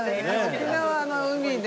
沖縄の海で。